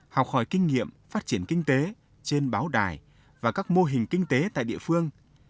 học hỏi kinh nghiệm phát triển kinh tế trên báo đài và các mô hình kinh tế tại địa phương